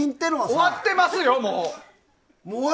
終わってますよ、もう！